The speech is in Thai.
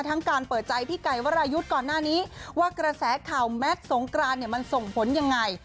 การเปิดใจพี่ไก่วรายุทธ์ก่อนหน้านี้ว่ากระแสข่าวแมทสงกรานเนี่ยมันส่งผลยังไง